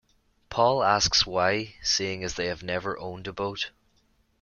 Paul asks why, seeing as they have never owned a boat.